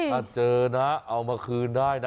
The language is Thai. ถ้าเจอนะเอามาคืนได้นะ